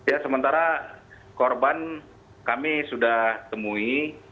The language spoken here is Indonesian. ya sementara korban kami sudah temui